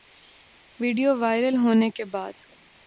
video viral ہونے کے بعد